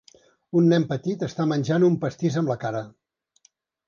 Un nen petit està menjant un pastís amb la cara.